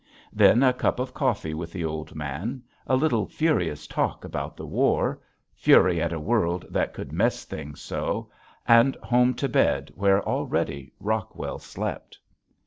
Then a cup of coffee with the old man, a little furious talk about the war, fury at a world that could mess things so, and home to bed where already Rockwell slept.